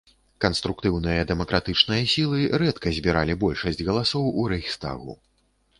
Канструктыўныя дэмакратычныя сілы рэдка збіралі большасць галасоў у рэйхстагу.